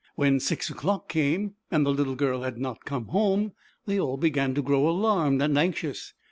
When six o'clock came, and the little girl had not come home, they all began to grow alarmed and anxious.